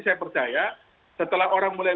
saya percaya setelah orang mulai